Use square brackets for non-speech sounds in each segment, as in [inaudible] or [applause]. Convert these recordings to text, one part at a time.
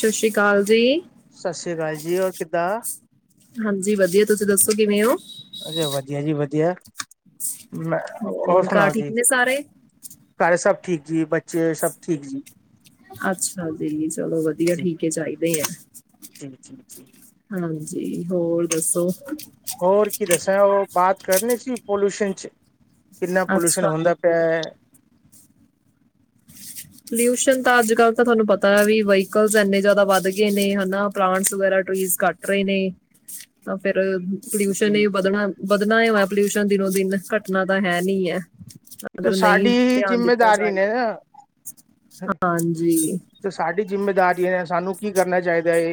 ਸਸ਼ ਸ਼੍ਰੀ ਅਕਾਲ ਜੀ। ਸ਼ਸ਼ ਸ੍ਰੀ ਅਕਾਲ ਜੀ। ਹੋਰ ਕਿਦਾਂ? ਹਾਂਜੀ ਵਧੀਆ। ਤੁਸੀਂ ਦੱਸੋ ਕਿਵੇਂ ਓ? ਸਡ ਵਧੀਆ ਜੀ ਵਧੀਆ। ਮੈਂ ਔਰ ਹੋਰ ਘਰ ਸਣਾਓ ਠੀਕ ਜੀ? ਨੇ ਸਾਰੇ ਘਾਰੇ ਸਭ ਠੀਕ ਜੀ, ਬੱਚੇ ਸਭ ਠੀਕ ਜੀ। ਅੱਛਾ ਜੀ ਚਲੋ ਵਧੀਆ ਠੀਕ ਏ ਚਾਈਦੇ ਐ। ਨੀ ਨੀ ਨੀੀ [unintelligible] ਹਾਂਜੀ ਹੋਰ ਦੱਸੋ? ਹੋਰ ਕੀ ਦਸਾ। ਓ ਬਾਤ ਕਰਨੀ ਸੀ ਪੋਲਊਸ਼ਨ ਚ, ਕਿੰਨਾ ਪੋਲਊਸ਼ਨ ਅੱਛਾ ਹੁੰਦਾ ਪਿਆਐ। ਪਲਿਊਸ਼ਨ ਤਾਂ ਅੱਜ-ਕੱਲ ਤਾਂ ਥਆਨੂੰ ਪਤਾ ਏ, ਵੀ ਵਾਈਕਲ ਏਨੇ ਜਾਦਾ ਵੱਧ ਗੇ ਨੇ ਹਨਾ। ਪਲਾਂਟਸ ਵਗੈਰਾ, ਟ੍ਰੀਸ ਕੱਟ ਰੇ ਨੇ ਤਾਂ ਫੇਰ ਜੀ ਪਲਿਊਸ਼ਨ ਏ ਜੀ ਵਧਣਾ-ਵਧਣਾ ਐ ਵਾ ਪਲਿਊਸ਼ਨ ਦਿਨੋ ਦਿਨ ਘਟਨਾ ਤਾ ਹੈ ਨੀ ਐ। ਅਗਰ ਨਈ ਸਾਡੀ ਧਿਆਨ ਦਿਤਾ ਜਿੰਮੇਦਾਰੀ ਨੇ ਜਾਏਗਾ ਨਾ ਹਾਂਜੀ। ਤੇ ਸਾਡੀ ਜਿੰਮੇਦਾਰੀ ਹੈ ਸਾਨੂੰ ਕੀ ਕਰਨਾ ਚਾਈਦਾ ਏ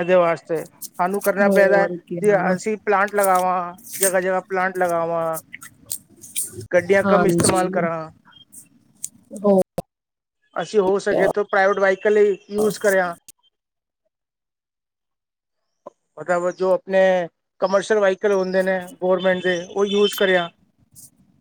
ਏਦੇ ਵਾਸ ਤੇਹਾਨੂੰ ਕਰਨਾ ਪੈਦਾ ਹੈ ਹੋਰ ਤੇ ਕਿਆ ਅਸੀ ਪਲਾਂਟ ਲਗਾਵਾਂ ਜਗ੍ਹਾ-ਜਗ੍ਹਾ ਪਲਾਂਟ ਲਗਾਵਾਂ। ਕਡੀਆਂ ਕਮ ਇਸਤੇਮਾਲ ਹਾਂਜੀ ਕਰਾਂ। ਹੋਰ ਅਸੀ ਹੋ ਕਿਆ। ਸਕੇ ਤੋ ਪ੍ਰਾਈਵੇਟ ਵਾਇਕਲ ਲਈ ਯੂਜ ਕਰੇਯਾ। [inaudible] ਮਕਾਵਤ ਜੋ ਅਪਣੇ ਕਮਰਸ਼ੇਅਲ ਵਾਈਕਲ ਹੁੰਦੇ ਨੇ ਗੋਰਮੈਂਟ ਦੇ ਔ ਯੂਜ ਕਰੇਯਾ। [inaudible]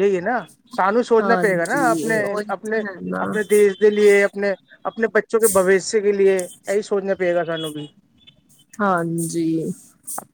ਯਈ ਨਾ ਸਾਨੂੰ ਸੋਚਣਾ ਪਏਗਾ ਨਾ ਹਾਂਜੀ ਉਹੀ ਤਾਂ ਹੈ ਨਾ ਅਪਣੇ-ਅਪਣੇ-ਅਪਣੇ ਦੇਸ਼ ਏ ਅਪਣੇ-ਅਪਣੇ ਬੱਚੋ ਕੇ ਬਵਿਸ਼ ਕੇ ਲੀਏ ਏਈ ਸੋਚਣਾ ਪਏਗਾ ਸਾਨੂੰ ਬੀ। ਹਾਂਜੀ!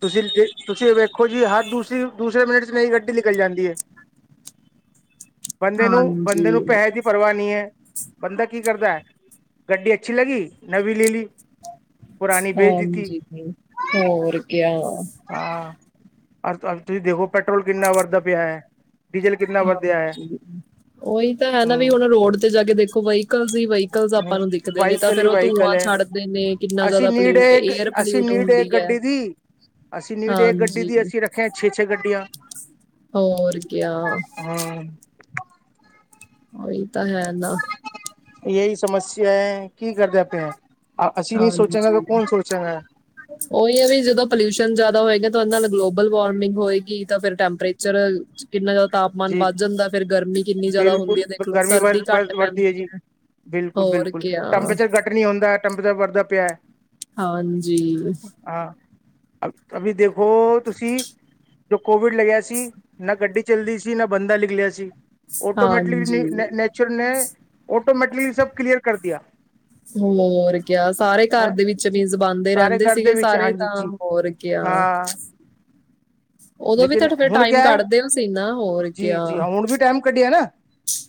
ਤੁਸੀ ਜੀ ਤੁਸੀ ਵੇਖੋ ਜੀ ਹਰ ਦੂਸਰੀ- ਦੂਸਰੇ ਮਿੰਟ ਚ ਨਈ ਗੱਡੀ ਨਿਕਲ ਜਾਂਦੀ ਏ। ਬੰਦੇ ਨੂੰ-ਬੰਦੇ ਨੂੰ ਹਾਂਜੀ ਪੈਹੇ ਦੀ ਪਰਵਾ ਨੀ ਐ। ਬੰਦਾ ਕੀ ਕਰਦੈ, ਗੱਡੀ ਅੱਛੀ ਲੱਗੀ ਨਵੀਂ ਲੇ ਲੀ। ਪੁਰਾਣੀ ਵੇਚ ਦਿੱਤੀ ਹਾਂਜੀ ਬਈ ਹੋਰ ਕਯਾ। ਆਂ ਔਰ ਤੁਆ ਤੁਹੀ ਦੇਖੋ ਪੈਟਰੋਲ ਕਿੰਨਾ ਵਰਦਾ ਪਿਐ। ਹਾਂ ਜੀ ਔਈ ਤਾਂ ਹੈ ਨਾ ਵੀ ਹੂੰ ਹੁਣ ਰੋਡ ਤੇ ਜਾ ਕੇ ਦੇਖੋ ਵਹੀਕਲ ਸ ਈ ਵੀ ਕਲਜ਼ ਆਪਾਂ ਹੂੰ ਨੂੰ ਦਿਖਦੇ ਨੇ ਤਾਂ ਵਾਹੀਕਲ ਹੀ ਫੇਰ ਔਹ ਵਾਹੀਕਲ ਧੂੰਆਂ ਹੈ ਛੱਡਦੇ ਨੇ ਕਿੰਨਾ ਅਸੀਂ ਜ਼ਿਆਦਾ ਨੀਡ ਪਲਿਊਟ ਏ ਏਅਰ ਅਸੀਂ ਪਲਯੁਟ ਨੀਡ ਏ ਹੁੰਦੀ ਐ ਗੱਡੀ ਦੀ ਹਾਂਜੀ। ਹੈ ਛੇ -ਛੇ ਗੱਡੀਆਂ। ਹੋਰ ਕੇਯਾ। ਹਾਂ। ਔਈ ਤਾਂ ਹੈ ਨਾ ਯਈ ਸਮੱਸਿਆ ਹੈ ਕੀ ਕਰਦਾ ਪਯੈ ਅਸੀਂ ਨਹੀਂ ਸੋਚੇਗਾ ਕਿ ਕੌਣ ਸੋਚਾ ਗਾ। [inaudible] ਔਈ ਹੈ ਵੀ ਜਦੋਂ ਪੋਲਿਊਸ਼ਨ ਜਾਦਾ ਹੋਏਗਾ ਤਾਂ ਔਦੇ ਨਾਲ ਗਲੋਬਲ ਵਾਰਮਿੰਗ ਹੋਏਗੀ ਤਾਂ ਫਿਰ ਟੈਂਪਰੇਚਰ ਅ ਕਿੰਨਾ ਜਾਦਾ ਤਾਪਮਾਨ ਜੀ ਵੱਧ ਜਾਂਦਾ ਫੇਰ ਗਰਮੀ ਕਿੰਨੀ ਜ਼ਿਆਦਾ ਹੁੰਦੀ ਬਿਲਕੁਲ ਹੈ ਦੇਖ ਲੋ ਗਰਮੀ ਸਰਦੀ ਘੱਟ ਵਰਦੀ ਪੈਂਦੀ ਜੀ ਹੈ। ਬਿਲਕੁਲ- ਹੋਰ ਬਿਲਕੁਲ ਕਿਆ ਟੈਂਪੇਚਰ ਗਟ ਨੀ ਹੁੰਦੈ। ਟੈਂਪਰੇਚਰ ਵਰਦਾ ਪਿਐ। ਹਾਂਜੀ। ਅਭ ਅਬੀ ਦੇਖੋ ਤੁਸੀਂ, ਜੋ ਕੋਵਿਡ ਲੱਗਿਆ ਸੀ, ਨਾ ਗੱਡੀ ਚੱਲਦੀ ਸੀ ਜੀ ਨਾ ਬੰਦਾ ਨਿਕਲਿਆ ਸੀ ਔਟੋਮੈਟਲੀ ਵੀ ਨੀ ਹਾਂਜੀ ਨੈ ਨੈ- ਚਿਰ ਨੈ ਔਟੋਮੈਟਲੀ ਸਭ ਕਲੀਅਰ ਕਰਦਿਯਾ। ਹੋਰ ਕਯਾ ਸਾਰੇ ਘਰ ਹੈ ਦੇ ਵਿੱਚ ਮੀਜ਼ ਬਣਦੇ ਸਾਰੇ ਰੈਂਦੇ ਘਰ ਦੇ ਸੀਗੇ ਵਿੱਚ ਸਾਰੇ ਹਾਂਜੀ ਤਾਂ ਜੀ ਹੋਰ ਕਿਯਾ। ਹਾਂ [inaudible] ਲੇਕਿਨ ਹੁਣ ਕਿਯੈ ਕੱਢਦੇ ਹੋ ਸੀ ਨਾ ਹੋਰ ਜੀ ਕਿਆ ਜੀ ਹਾਂ ਹੁਣ ਵੀ ਟੈਮ ਕੱਢਿਆ ਨਾ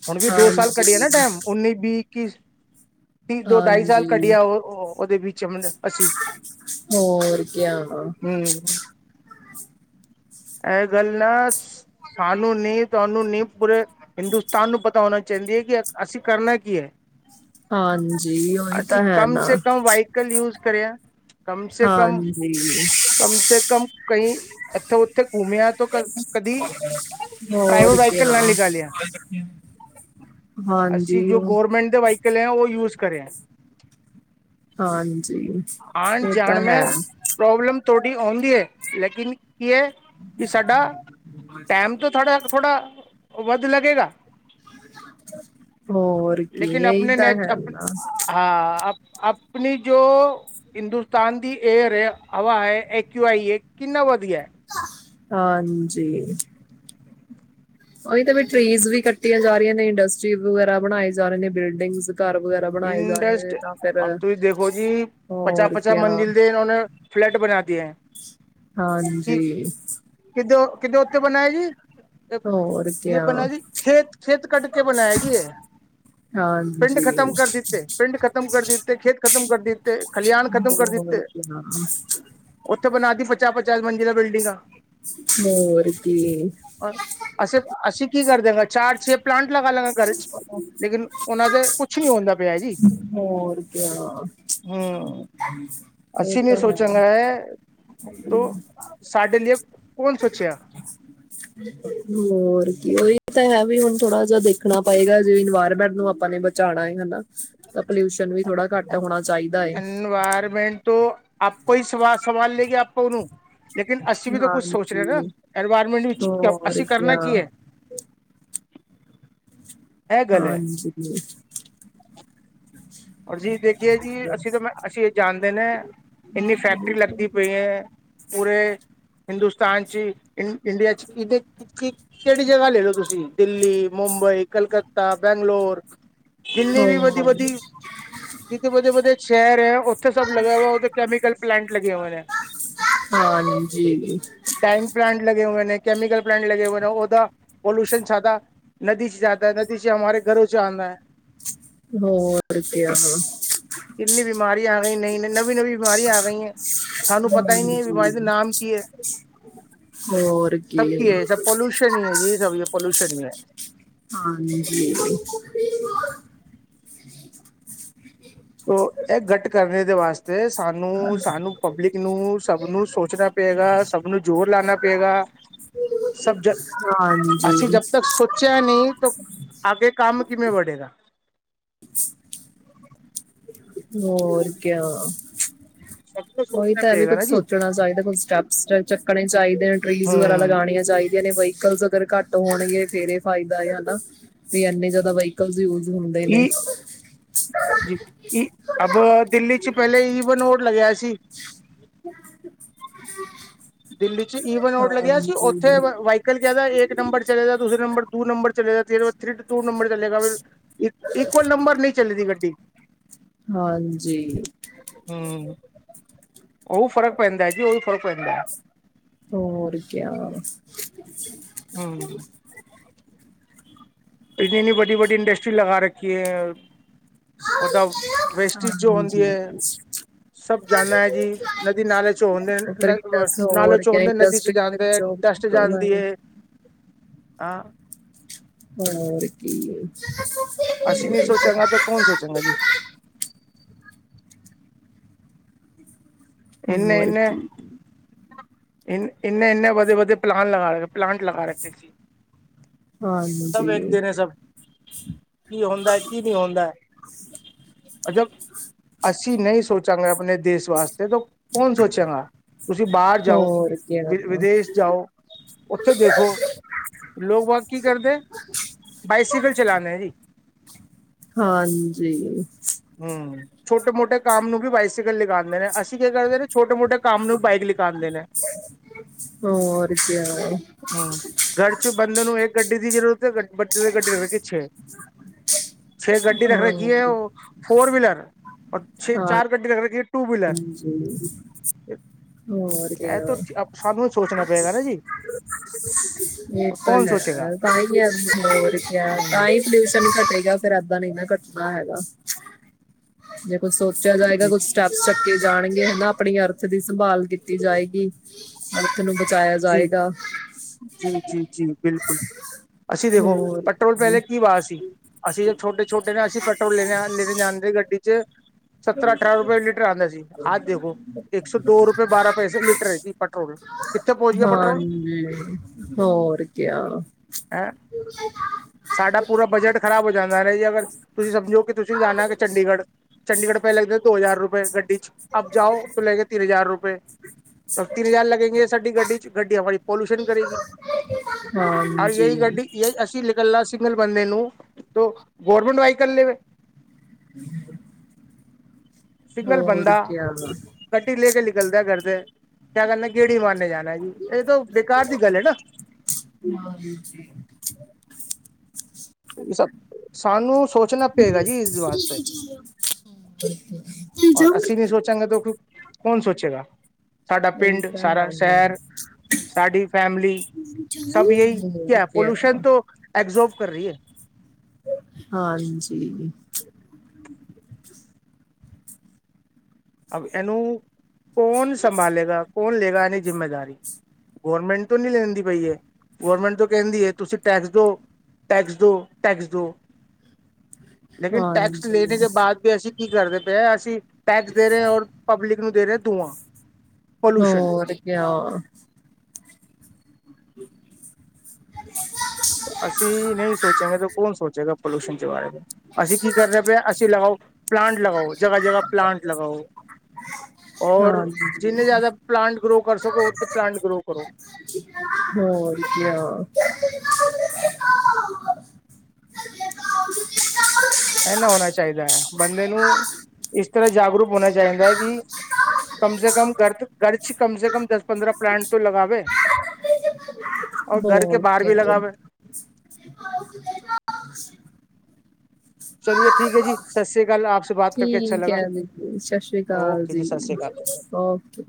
ਹੁਣ ਵੀ ਦੋ ਸਾਲ ਹਾਂਜੀ ਕਡੇਯਾ ਨਾ ਟੈਮਮ ਉੱਨੀ, ਵੀਹ, ਇੱਕੀ ਹਿ ਦੋ ਢਾਈ ਸਾਲ ਹਾਂਜੀ ਕਡੇਯਾ ਔ ਔ ਔਦੇ ਵਿੱਚ ਮਲਬ ਅਸੀਂ ਹੋਰ ਕਿਆ ਹਮ। ਐ ਗੱਲ ਨਾ ਸਾਨੂੰ ਨੀ ਤਾਨੂੰ ਨੀ ਪੂਰੇ ਹਿੰਦੁਸਤਾਨ ਨੂੰ ਪਤਾ ਹੋਣਾ ਚਾਂਦੀ ਐ ਕਿ ਅਸੀਂ ਕਰਨਾ ਕੀ ਐ ਹਾਂਜੀ ਔਈ ਤਾਂ ਹੈ ਨਾ ਕਲ ਯੂਜ ਕਰੇਯਾ ਕਮ ਸੇ ਕਮ ਹਾਂਜੀ ਕਮ ਸੇ ਕਮ ਕਂਈ ਅੱਥੋ ਭੁਮਿਆ ਤੋਂ ਕ ਕਦੀ ਹੋਰ ਪ੍ਰਾਈਵੇਟ ਕਿਆ ਵਾਈਕਲ ਨਾ ਨਿਕਾਲੇਯਾ। ਅਸੀਂ ਹਾਂਜੀ ਜੋ ਉਹ ਗੋੌਰਮੈਂਟ ਦੇ ਵਾਇਕਲ ਐ ਨਾ ਔ ਯੂਜ ਕਰੇਯ ਹਾਂਜੀ, ਆਣ ਔਤੈ ਜਾਣ ਮੈਂ ਹੈ। ਪ੍ਰੋਬਲਮ ਥੋੜ੍ਹੀ ਦੀ ਹੈ ਲੇਕਿਨ ਕੀ ਹੈ ਕਿ ਸਾਡਾ ਟੈਮ ਥੋੜਾ ਥੋੜਾ, ਵੱਧ ਲੱਗੇਗਾ। ਹੋਰ ਕੀ ਲੇਕਿਨ ਇਹੀ ਆਪਣੇ ਤਾਂ ਨੇਚ ਹੈ ਆਪ ਨਾ ਹਾਂ ਆਪ ਆਪਣੀ ਜੋ ਹਿੰਦੁਸਤਾਨ ਦੀ ਏਅਰ ਐ ਹਵਾ ਹੈਕ ਆਈ ਏ ਕਿੰਨਾ ਵੱਧ ਗਿਆ। ਹਾਂਜੀ, ਉਹੀ ਤੇ ਵੀ ਟ੍ਰਰੀਜ਼ ਵੀ ਕੱਟੀਆਂ ਜਾ ਰੀਆਂ ਨੇ ਇੰਡਸਟਰੀ ਵਗੈਰਾ ਬਣਾਏ ਜਾ ਰਹੇ ਨੇ ਬਿਲਡਿੰਗਜ਼ ਘਰ ਵਗੈਰਾ, ਬਣਾਏ ਜਾ ਰਹੇ ਇੰਡਸਟ ਨੇ ਤਾਂ ਫਿਰ ਅ ਤੁਸੀਂ ਦੇਖੋ ਜੀ ਪਚਾ ਹੋਰ ਪਚਾ ਕਿਆ ਮੰਜ਼ਿਲ ਦੇ ਇੇ ਫਲੈਟ ਬਣਾਦੀ ਹੈ। ਹਾਂਜੀ, ਕਿੱਦ ਕਿੱਦੇ ਉੱਤੇ ਬਣਨਾ ਜੀ। ਹੋਰ ਕਿਆ [unintelligible] ਖੇਤ ਖੇਤ ਕੱਟ ਕੇ ਬਣਾਇਆ ਜੀ ਐ। ਹਾਂਜੀ, ਪਿੰਡ ਖਤਮ ਕਰ ਦਿੱਤੇ ਖੇਤ ਖਤਮ ਕਰ ਦਿੱਤੇ ਖਲਿਆਣ ਖਤਮ ਕਰ ਹੋਰ ਦਿੱਤੇ। ਕਿਆ ਉੱਥੇ ਬਣਾ ਦੀ ਪਚਾ ਪਚਾ ਮੰਜਡੀ ਦਾ ਬਿਲਡਿੰਗ ਆ। ਹੋਰ ਕੀ ਅਸੀਂ ਅਸੀਂ ਕੀ ਕਰ ਦਗਾ ਚਾਰ ਛੇ ਪਲਾਂਟ ਲਗਾ ਲਾਂਗੇ ਘਰੇ ਚ ਲੇਕਿਨ ਉਹਨਾਂ ਦੇ ਕੁਛ ਨੀ ਹੁੰਦਾ ਪਿਆ ਜੀ ਹੋਰ ਕਿਆ, ਹੂੰ ਇਹ ਅਸੀਂ ਨੀ ਤਾਂ ਹੈ ਸੋਚਾਂਗੇ ਤੋ ਸਾਡੇ ਲਈ ਕੌਣ ਸੋਚਿਆ, ਹੋਰ ਕੀ ਉਹੀ ਤਾਂ ਐ ਕੀ ਹੁਣ ਥੋੜਾ ਜਹਾ ਦੇਖ ਰੱਖਣਾ ਪਏਗਾ ਜੇ ਇਨਵਾਇਰਮੈਂਟ ਨੂੰ ਆਪਾਂ ਨੇ ਬਚਾਣਾ ਹੇਗਾ। ਸ ਪੋਲਿਊਸ਼ਨ ਵੀ ਥੋੜ੍ਹਾ ਘੱਟ ਹੋਣਾ ਚਾਹੀਦਾ ਐ। ਇਨਵਾਇਰਮੈਂਟ ਤੋਂ ਆਪ ਕੋਈ ਸ ਸਵਾਲ ਸਵਾਲ ਲਗੀ ਆਪ ਉਹ ਨੂੰ ਲੇਕਿਨ ਅਸੀਂ ਵੀ ਤਾਂ ਕੁੱਛ ਸੋਚ ਰਹੇ ਹਾਂਜੀ ਨਾ, ਐਨਵਾਇਰਮੈਂਟ ਵਿੱਚ ਅ ਹੋਰ ਅਸੀਂ ਕਰਨਾ ਕਿਆ ਕੀ ਐ। ਇਹ ਗੱਲ ਹੈ ਹਾਂਜੀ, ਜੀ ਦੇਖੀਏ ਜੀ ਅਸੀਂ ਤਾਂ ਮ ਅਸੀਂ ਇਹ ਜਾਣਦੇ ਨੇ। ਇੰਨੀ ਫੈਕਟਰੀ ਲੱਗਦੀ ਪਈ ਐ। ਪੂਰੇ, ਹਿੰਦੁਸਤਾਨ 'ਚ ਇੰਡੀਆ 'ਚ ਇਦੀ ਕਿ ਕਿਹੜੀ ਜਗ੍ਹਾ ਲੈਲੋ ਤੁਸੀਂ ਦਿੱਲੀ ਮੁੰਬਈ ਕਲਕੱਤਾ ਬੈਂਗਲੋਰ ਜਿੰਨੀ ਵੀ ਵਧੀ ਵਧੀ, ਜਿਥੇ ਵਧੇ ਵਧੇ ਸ਼ਹਿਰ ਐ ਉ ਉੱਥੇ ਸਬ ਲਗਿਆ ਹੋਇਆ ਉਥੇ ਕੈਮਿਕਲ ਪਲਾਂਟ ਲਗੇ ਹੋਏ ਐ। ਹੋਰ ਹਾਂਜੀ ਟੈਂਕ ਪਲਾਂਟ ਲਗੇ ਹੋਏ ਨੇ ਕੈਮੀਕਲ ਪਲਾਂਟ ਲਗੇ ਹੋਏ ਨੇ ਉਹਦਾ, ਪੋਲੂਸ਼ਨ ਜਾਦਾ। ਨਦੀ ਸੀ ਜਾਦਾ ਐ ਨਦੀ ਸੀ ਹਮਾਰੇ ਘਰੋਂ ਚ ਆਨਾ ਐ। ਹੋਰ ਕਿਆ, ਕਿੰਨੀ ਬਿਮਾਰੀਆਂ ਆ ਗਈ ਨੇ ਨਵੀ ਨਵੀਂ ਬਿਮਾਰੀਆਂ ਆ ਗਈਆਂ। ਸਾਨੂੰ ਪਤਾ ਈ ਨੀ ਹਾਂਜੀ ਬਿਮਾਰੀ ਦਾ ਨਾਮ ਕੀ ਐ। ਹੋਰ‌ ਕਿ ਸਭ ਕੀ ਐ ਸਭ ਪੋਲੂਸ਼ਨ ਈ ਐ ਜੀ ਸਭ ਪੋਲੂਸ਼ਨ ਈ ਐ। ਹਾਂਜੀ, ਉਹ ਇਹ ਗੱਟ ਕਰਨ ਦੇ ਵਾਸਤੇ ਸਾਨੂੰ ਸਾਨੂੰ ਪਬਲਿਕ ਨੂੰ ਸਭ ਨੂੰ ਸੋਚਣਾ ਪਏਗਾ ਸਭ ਨੂੰ ਜ਼ੋਰ ਲਾਨਾ ਪਏਗਾ। ਸਭ ਜਗਾ ਹਾਂਜੀ ਅਸੀਂ ਜਬ ਤੱਕ ਸੋਚਿਆ ਨੀ ਤੋ ਆਗੇ ਕੰਮ ਕਿਵੇਂ ਵੜੇਗਾ। ਹੋਰ ਕਿਆ, ਸਭ ਨੂੰ ਉਹੀ ਸੋਚਣਾ ਤਾਂ ਹੈ ਵੀ ਪਏਗਾ ਕੁੱਛ ਨਾ ਜੀ ਸੋਚਣਾ ਚਾਹੀਦਾ, ਕੁਛ ਸਟੈਪਸ ਚੱਕਣੇ ਚਾਹੀਦੇ ਟਈਜ਼ ਵਗੈਰਾ ਹੂੰ ਲਗਾਉਣੀਆਂ ਚਾਹੀਦੀਆਂ ਨੇ ਵੈੲਕਲਸ ਅਗਰ ਘੱਟ ਹੋਣਗੇ ਫੇਰ ਇਹ ਫਾਇਦਾ ਆ ਨਾ, ਵੀ ਇੰਨੇ ਜ਼ਿਆਦਾ ਵਹੀਕਲਸ ਯੂਜ ਹੁੰਦੇ ਨੇ ਕਿ ਜੀ ਈ ਅਬ ਦਿੱਲੀ 'ਚ ਪਹਿਲੇ ਈਵਨ ੳਡ ਲਗਿਆ ਸੀ ਪਿਆਜ ਦਿੱਲੀ 'ਚ ਈਵਨ ਔਡ ਲੱਗਿਆ ਸੀ, ਉੱਥੇ ਹਾਂਜੀ ਵਹੀਕਲ ਕਹਿੰਦਾ ਏਕ ਨੰਬਰ ਚਲੇਗਾ ਦੂਸਰਾ ਨੰਬਰ ਟੂ ਨੰਬਰ ਚਲੇਗਾ ਤੀਰਥ ਟੂ ਨੰਬਰ ਚਲੇਗਾ ਫਿਰ ਇਕ ਇਕਵਲ ਨੰਬਰ ਨਹੀਂ ਚੱਲਦੀ ਗੱਡੀ ਹਾਂਜੀ ਹਮ, ਉਹ ਫ਼ਰਕ ਪੈਂਦਾ ਜੀ, ਉਹ ਫ਼ਰਕ ਪੈਂਦਾ ਹੋਰ ਕਿਆ ਹਮ ਐਨੀ ਵੱਡੀ ਵੱਡੀ ਇੰਡਸਟਰੀ ਲਗਾ ਰੱਖੀ ਹੈ ਉਹਦਾ ਵੇਸਟਿਜ ਜੋ ਹੁੰਦੀ ਏ ਹਾਂਜੀ ਸਭ ਜਾਂਨਾ ਹੈ ਜੀ, ਨਦੀ ਨਾਲੇ 'ਚੋਂ ਹੁੰਦੇ, ਉੱਪਰ ਨ ਇੰਡਸ ਨਾਲੇ ਹੋਰ 'ਚੋਂ ਕਿਆ ਹੁੰਦੇ ਨਦੀ 'ਚ ਇੰਡਸਟਰੀ ਵਿੱਚ ਜਾਂਦੇ ਜੋਬ ਟੱਸਟ ਨਿਕਲਦਾ ਜਾਂਦੀ ਹੈ ਏ, ਹਾਂ ਹੋਰ ਕੀ ਏ ਅਸੀਂ ਨਹੀਂ ਸੋਚਾਂਗਾ ਤਾਂ ਕੌਣ ਸੋਚਾਂਗਾ ਜੀ ਇਹਨੇ ਹੋਰ ਇਹਨੇ ਕੀ ਇ ਇੰਨੇ- ਇੰਨੇ ਵਧੀਆ ਵਧੀਆ ਪਲਾਨ ਲਗਾ ਪਲਾਂਟ ਲਗਾ ਰੱਖੇ ਜੀ ਸਭ ਹਾਂਜੀ ਵੇਖਦੇ ਨੇ ਸਭ, ਕੀ ਹੁੰਦਾ ਕੀ ਨੀ ਹੁੰਦਾ ਅਜਬ ਅਸੀਂ ਨਹੀਂ ਸੋਚਾਂਗੇ ਆਪਣੇ ਦੇਸ਼ ਵਾਸ ਦੇ ਦੋ, ਕੌਣ ਸੋਚੇਗਾ ਤੁਸੀਂ ਬਾਹਰ ਜਾਓ, ਹੋਰ ਕਿਆ ਵਿ ਵਿਦੇਸ਼ ਜਾਓ, ਉੱਥੇ ਦੇਖੋ ਲੋਗ ਵਾਂ ਕੀ ਕਰਦੇ, ਬਾਈਸਿਕਲ ਚਲਾਣਾ ਹੈ ਜੀ ਹਾਂਜੀ ਹਮ ਛੋਟੇ ਮੋਟੇ ਕੰਮ ਨੂੰ ਵੀ ਬਾਈਸਿਕਲ ਲਗਾਉਂਦੇ ਨੇ ਅਸੀਂ ਕੀ ਕਰਦੇ ਨੇ, ਛੋਟੇ- ਮੋਟੇ ਕੰਮ ਨੂੰ ਬਾਈਕ ਲਿਕਾਉਂਦੇ ਨੇ ਹੋਰ ਕਿਆ ਹਮ, ਘਰ 'ਚ ਬੰਦੇ ਨੂੰ ਇੱਕ ਗੱਡੀ ਦੀ ਜਰੂ ਦੇ ਵੱਡੀ ਗੱਡੀ ਰੱਖ ਰੀ ਛੇ, ਛੇ ਗੱਡੀ ਰੱਖ ਰੱਖੀ ਹੈ ਹੋਰ ਉਹ ਫੋਰ ਵਿਲਰ, ਔਰ ਛੇ ਹਾਂ ਚਾਰ ਗੱਡੀ ਰੱਖ ਰੱਖੀ ਹਾਂਜੀ, ਹੋਰ ਕਿਆ ਸਾਨੂੰ ਸੋਚਣਾ ਪਏਗਾ ਨਾ ਜੀ ਇਹ ਤਾਂ ਹੈ, ਤਾਂਹੀ ਐ ਹੋਰ ਕਿਆ ਤਾਂਹੀ ਪੋਲਿਊਸ਼ਨ ਘਟੇਗਾ, ਫੇਰ ਐਦਾਂ ਨੀ ਨਾ ਘੱਟਨਾ ਹੈਗਾ ਜੇ ਕੁੱਝ ਸੋਚਿਆ ਜਾਏਗਾ ਕੁੱਛ ਅਰਥ ਸਤੇ ਜਾਣਗੇ ਹਨਾ ਆਪਣੀ ਅਰਥ ਦੀ ਸੰਭਾਲ ਕੀਤੀ ਜਾਏਗੀ ਅਰਥ ਨੂੰ ਬਚਾਇਆ ਜਾਏਗਾ ਜੀ- ਜੀ- ਜੀ ਬਿਲਕੁਲ ਅਸੀਂ ਦੇਖੋ ਹੋਰ ਪੈਟਰੋਲ ਜੀ ਪਹਿਲੇ ਕੀ ਵਾਹ ਸੀ ਅਸੀਂ ਜਦ ਛੋਟੇ -ਛੋਟੇ ਨਾ ਅਸੀਂ ਪੈਟਰੋਲ ਲੈਣੇ ਆ ਲੈਣੇ ਜਾਂਦੇ ਗੱਡੀ 'ਚ ਸੱਤਰਾਂ ਅਠਾਰਾਂ ਰੁਪਏ ਲੀਟਰ ਆ ਗਿਆ ਸੀ, ਅਜ ਦੇਖੋ ਇੱਕ ਸੌ ਦੋ ਰੁਪਏ ਬਾਰਾਂ ਪੈਸੇ ਲੀਟਰ ਏ ਜੀ ਪੈਟਰੋਲ ਕਿੱਥੇ ਪਹੁੰਚ ਗਿਆ ਪੈਟਰੋਲ ਹਾਂਜੀ, ਹੋਰ ਕਿਆ ਐੰ, ਸਾਡਾ ਪੂਰਾ ਬਜਟ ਖ਼ਰਾਬ ਹੋ ਜਾਂਦਾ ਹੈ ਨਾ ਜੀ ਅਗਰ, ਤੁਸੀਂ ਸਮਝੋ ਕਿ ਤੁਸੀਂ ਜਾਣਾ ਕਿ ਚੰਡੀਗੜ ਚੰਡੀਗੜ ਪੇ ਲੱਗਦੇ ਦੋ ਹਜ਼ਾਰ ਰੁਪਏ ਗੱਡੀ ਚ, ਅਬ ਜਾਓ ਤੋਂ ਲੈਗੇਗੇਂ ਤੀਨ ਹਜ਼ਾਰ ਰੁਪਏ। ਤਾਂ ਤਿੰਨ ਹਜ਼ਾਰ ਲੱਗੇਂਗੇ ਸਾਡੀ ਗੱਡੀ 'ਚ ਗੱਡੀ ਹਮਾਰੀ ਪੋਲਿਸ਼ਨ ਕਰੇਗੀ। ਔਰ ਯੇ ਈ ਹਾਂਜੀ ਗੱਡੀ ਅਸੀਂ ਨਿਕਲਨਾ ਸਿੰਗਲ ਬੰਦੇ ਨੂੰ, ਗੌਰਮਿੰਟ ਵਾਈਕਲ [unintelligible] ਸਿੰਗਲ ਹੋਰ ਬੰਦਾ ਕਿਆ। ਗੱਡੀ ਲੈ ਕੇ ਨਿਕਲਦੇ ਆ ਘਰ ਸੇ। ਕਿਆ ਕਰਨਾ ਹੈ ਗੇੜੀ ਮਾਰਨੇ ਜਾਣਾ ਹੈ ਜੀ, ਇਹ ਤੋਂ ਬੇਕਾਰ ਦੀ ਗੱਲ ਹੈ ਨਾ। ਹਾਂਜੀ [unintelligible] ਸਾਨੂੰ ਸੋਚ ਚਣਾ ਪਏਗਾ ਜੀ ਇਸ ਦਿਮਾਗ਼ ਸੇ, ਔਰ ਅਸੀਂ ਨਹੀਂ ਸੋਚਾਂਗੇ ਤੋਂ ਕੌਣ ਸੋਚੇਗਾ, ਸਾਡਾ ਇਹੀ ਪਿੰਡ ਤਾਂ ਸਾਰਾ ਹੈ ਨਾ ਸੈ਼ਰ- ਸਾਡੀ ਫੈਮਲੀ, ਸਭ ਯਹੀ ਕਿਆ ਪੋਲੂਸ਼ਨ ਤੋਂ ਐਬਜ਼ੋਰਬ ਕਰ ਰਹੀ ਏ। ਹਾਂਜੀ। ਅਬ ਇਹਨੂੰ, ਕੌਣ ਸੰਭਾਲੇਗਾ ਕੌਣ ਲੇਗਾ ਇਹਦੀ ਜਿੰਮੇਦਾਰੀ। ਗੌਰਮੈਂਟ ਤੋਂ ਨੀ ਲੈਂਦੀ ਪਈ ਏ, ਗੌਰਮੈਂਟ ਤੋਂ ਕਹਿੰਦੀ ਹੈ ਤੁਸੀਂ ਟੈਕਸ ਦੋ। ਟੈਕਸ ਦੋ, ਟੈਕਸ ਦੋ, ਲੇਕਿਨ ਟੈਕਸ ਲੇਣੇ ਕੇ ਹਾਂਜੀ ਬਾਅਦ ਬੀ ਅਸੀਂ ਕੀ ਕਰਦੇ ਪਏ ਅਸੀਂ ਟੈਕਸ ਦੇ ਰਹੇ ਔਰ ਪਬਲਿਕ ਨੂੰ ਦੇ ਰਹੇ ਦੂਆਂ। ਹੋਰ ਕਿਆ। [inaudible] ਅਸੀਂ ਨਹੀਂ ਸੋਚਾਂਗੇ ਤੇ ਕੌਣ ਸੋਚੇਗਾ ਪੋਲਿਊਸ਼ਨ 'ਚ ਬਾਰੇ। ਅਸੀਂ ਕੀ ਕਰਦੇ ਪਏ ਆ ਅਸੀਂ ਲਗਾਓ, ਪਲਾਂਟ ਲਗਾਓ ਜਗ੍ਹਾ-ਜਗ੍ਹਾ ਪਲਾਂਟ ਲਗਾਓ। ਔਰ, ਹਾਂਜੀ ਜਿੰਨੇ ਜ਼ਿਆਦਾ ਪਲਾਂਟ ਗਰੋ ਕਰ ਸਕੋ ਉਥੇ ਪਲਾਂਟ ਗਰੋ ਕਰੋ। ਹੋਰ ਕਿਆ। ਇਨਾ ਹੋਣਾ ਚਾਹੀਦਾ ਐ, ਬੰਦੇ ਨੂੰ ਇਸ ਤਰ੍ਹਾਂ ਜਾਗਰੂਕ ਹੋਣਾ ਚਾਹੀਦਾ ਹੈ ਕਿ ਕਮ ਸੇ ਕਮ ਘਰ ਤ ਘਰ 'ਚ ਕਮ ਸੇ ਕਮ ਦਸ ਪੰਦਰਾਂ ਪਲਾਂਟ ਤੋਂ ਲਗਾਵੇ। ਔਰ ਘਰ ਕੇ ਹੋਰ ਬਾਹਰ ਵੀ ਕਿਆ ਲਗਾਵੇ। ਚਲੀਏ ਠੀਕ ਹੈ ਜੀ ਸਤਿ ਸ੍ਰੀ ਅਕਾਲ ਆਪ ਠੀਕ ਹੈ ਜੀ ਸਾਸਰੀ ਕਾਲ ਜੀ, ਓਕੇ।